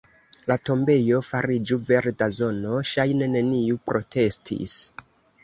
La tombejo fariĝu verda zono; ŝajne neniu protestis.